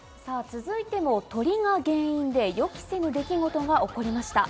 続いても、鳥が原因で予期せぬ出来事が起こりました。